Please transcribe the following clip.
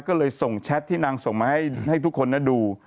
ก็เลยส่งแชทที่นางส่งมาให้ทุกคนดู